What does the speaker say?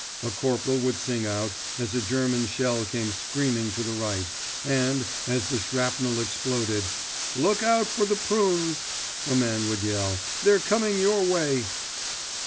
a corporal would sing out, as a German shell came screaming to the right; and, as the shrapnel exploded, "Look out for the prunes!" a man would yell, "they're coming your way!"